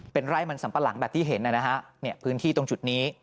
เป็นไร่มันสัมปะหลังแบบที่เห็นนะฮะพื้นที่ตรงจุดนี้